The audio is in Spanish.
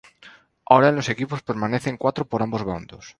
Ahora en los equipos permanecen cuatro por ambos bandos.